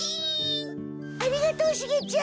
ありがとうおシゲちゃん。